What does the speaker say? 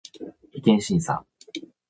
違憲審査